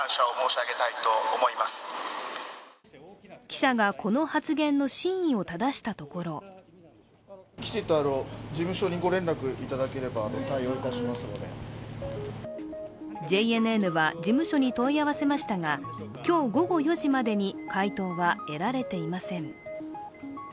記者が、この発言の真意をただしたところＪＮＮは、事務所に問い合わせましたが今日午後４時までに回答は得られていません。